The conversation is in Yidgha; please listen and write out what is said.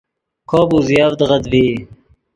کوپ اوزیڤدغت ڤی